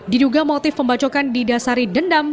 diduga motif pembacokan didasari dendam